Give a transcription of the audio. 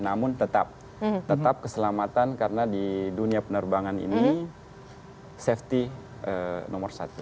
namun tetap tetap keselamatan karena di dunia penerbangan ini safety nomor satu